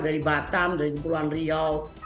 dari batam dari kepulauan riau